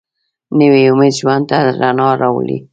نوی امید ژوند ته رڼا راولي